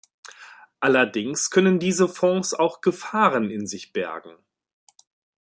Allerdings können diese Fonds auch Gefahren in sich bergen.